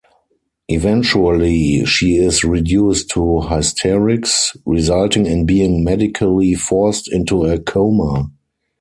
Eventually she is reduced to hysterics, resulting in being medically forced into a coma.